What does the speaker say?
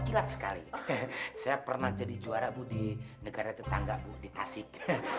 kilat sekali saya pernah jadi juara bu di negara tetangga bu di tasik